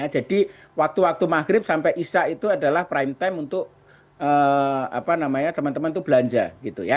jadi waktu waktu maghrib sampai isha itu adalah prime time untuk apa namanya teman teman itu belanja gitu ya